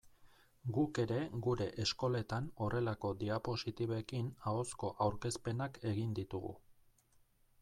Guk ere gure eskoletan horrelako diapositibekin ahozko aurkezpenak egin ditugu.